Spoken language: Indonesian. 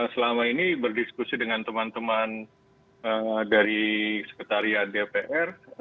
selama ini berdiskusi dengan teman teman dari sekretariat dpr